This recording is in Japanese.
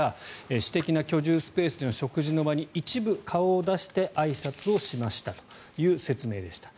私的な居住スペースでの食事の場に一部顔を出してあいさつをしましたという説明でした。